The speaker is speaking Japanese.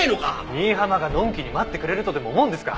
新浜がのんきに待ってくれるとでも思うんですか？